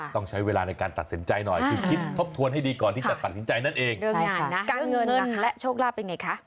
ต้องใช้เวลาในการตัดสินใจหน่อยคือคิดทบทวนให้ดีก่อนที่จะตัดสินใจนั่นเอง